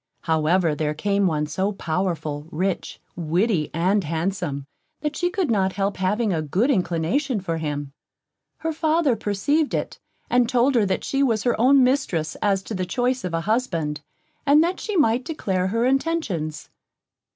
However, there came one so powerful, rich, witty and handsome, that she could not help having a good inclination for him. Her father perceived it, and told her that she was her own mistress as to the choice of a husband, and that she might declare her intentions.